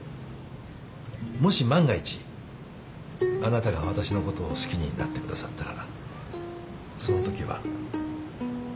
もし万が一あなたが私のことを好きになってくださったらそのときは。